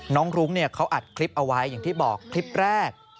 รุ้งเขาอัดคลิปเอาไว้อย่างที่บอกคลิปแรก